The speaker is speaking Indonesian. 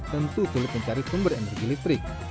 tentu sulit mencari sumber energi listrik